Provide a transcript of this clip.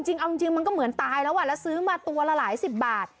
จริงเอาจริงมันก็เหมือนตายแล้วแล้วซื้อมาตัวละหลายสิบบาท